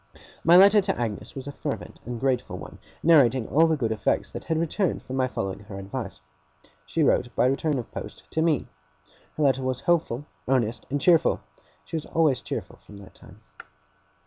My letter to Agnes was a fervent and grateful one, narrating all the good effects that had resulted from my following her advice. She wrote, by return of post, to me. Her letter was hopeful, earnest, and cheerful. She was always cheerful from that time.